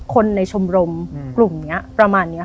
คนในชมรมกลุ่มนี้ประมาณนี้ค่ะ